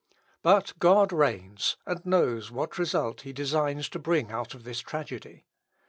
But God reigns, and knows what result he designs to bring out of this tragedy.